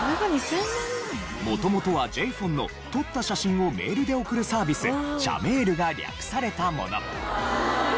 元々はＪ−ＰＨＯＮＥの撮った写真をメールで送るサービス写メールが略されたもの。